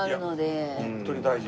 いやホントに大事。